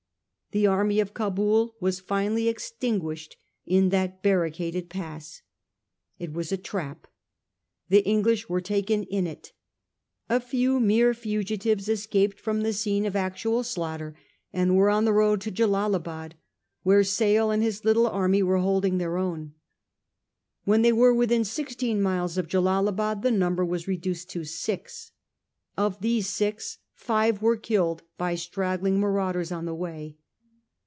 The army of Cabul was finally extinguished in that barricaded pass. It was a trap ; the British were taken in it. A few mere fugitives escaped from the scene of 256 A HISTORY OF OUR OWN TIMES. cn. xt. actual slaughter, and were on the road to Jellalabad, where Sale and his little army were holding then own. When they were within sixteen miles of Jella labad the number was reduced to six. Of these six, five were killed by straggling marauders on the way.